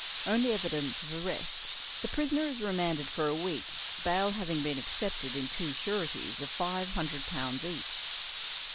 Only evidence of arrest. The prisoner is remanded for a week, bail having been accepted in two sureties of five hundred pounds each."